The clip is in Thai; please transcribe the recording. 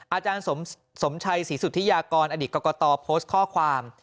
อาจารย์สมชัยศรีสุธิยากรอดีตกรกตโพสต์ข้อความ